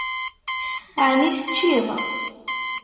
Ɛni teččiḍ?